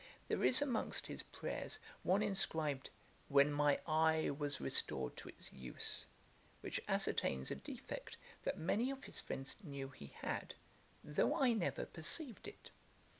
There is amongst his prayers, one inscribed 'When my EYE was restored to its use,' which ascertains a defect that many of his friends knew he had, though I never perceived it.